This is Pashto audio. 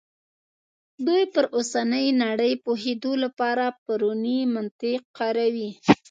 دوی پر اوسنۍ نړۍ پوهېدو لپاره پرونی منطق کاروي.